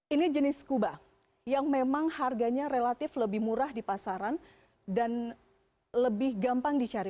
ini jenis skuba yang memang harganya relatif lebih murah di pasaran dan lebih gampang dicari